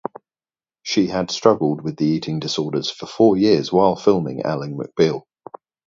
She had struggled with the eating disorders for four years while filming Ally McBeal.